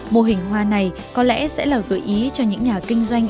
mô hình hoa này có lẽ sẽ là gợi ý cho những nhà kinh doanh